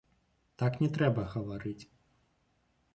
Так не трэба гаварыць.